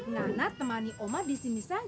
nana temani oma di sini saja